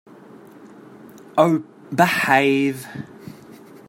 Oh, behave!.